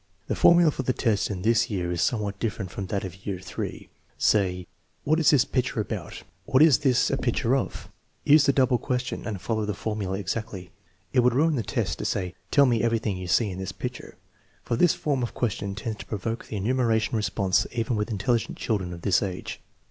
The formula for the test in this year is somewhat different from that of year III. Say: " What is this picture about ? What is this a picture of 9 " Use the double question, and follow the formula exactly. It would ruin the test to say: " Tell me everything you see in this picture" for this form of question tends to provoke the enumeration response even with intelligent children of this age.